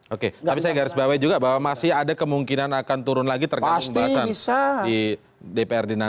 oke tapi saya garis bawah juga bahwa masih ada kemungkinan akan turun lagi tergantung pembahasan di dprd nanti